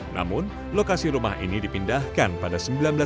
namun lokasi rumah ini dipindahkan pada seribu sembilan ratus sembilan puluh